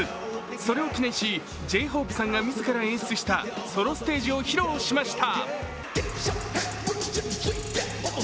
それを記念し、Ｊ−ＨＯＰＥさんが自ら演出したソロステージを披露しました。